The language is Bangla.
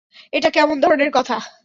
এটা কেমন ধরণের কথা?